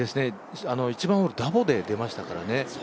１番ホール、ダボで出ましたからね。